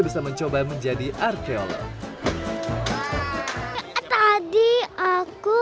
bisa mencoba menjadi arkeolog tadi aku